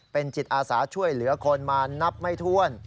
เป็นจิตอาสาช่วยเหลือคนมานับไม่ถ้วน